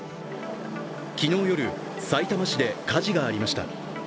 昨日夜、さいたま市で火事がありました。